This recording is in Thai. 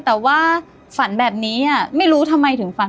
แต่ว่าฝันแบบนี้ไม่รู้ทำไมถึงฝัน